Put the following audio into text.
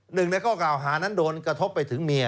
หนึ่งในข้อกล่าวหานั้นโดนกระทบไปถึงเมีย